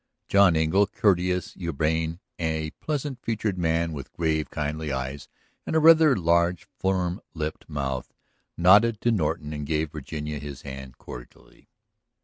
John Engle, courteous, urbane, a pleasant featured man with grave, kindly eyes and a rather large, firm lipped mouth nodded to Norton and gave Virginia his hand cordially.